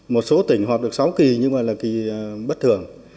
một số tỉnh họp được sáu kỳ nhưng mà là kỳ bất thường